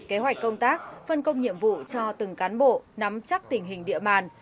kế hoạch công tác phân công nhiệm vụ cho từng cán bộ nắm chắc tình hình địa bàn